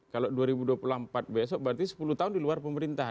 kalau dua ribu dua puluh empat besok berarti sepuluh tahun di luar pemerintahan